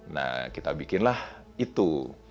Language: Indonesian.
nah kita bikinlah itu